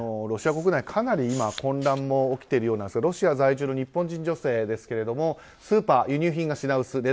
ロシア国内、かなり今は混乱も起きているようでロシア在住の日本人女性ですがスーパー、輸入品が品薄。